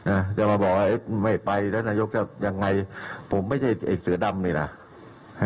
อ่ะจะมาบอกว่าเอ๊ะไม่ไปแล้วนายกจะยังไงผมไม่ใช่ไอ้เสือดำนี่น่ะ